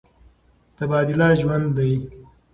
تبادله ژوند دی.